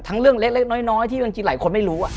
เรื่องเล็กน้อยที่บางทีหลายคนไม่รู้